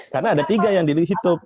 karena ada tiga yang dihitung